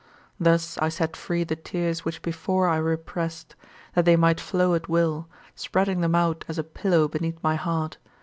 Thus I set free the tears which before I repressed, that they might flow at will, spreading them out as a pillow beneath my heart.